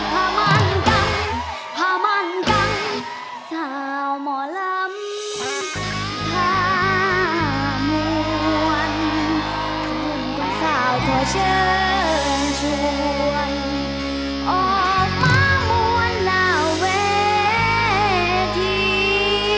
คำถามวันคุณกับสาวท่อเชิญชวนออกมามวนลาเวที